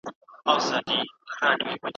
د قانون پوره درناوی وکړئ.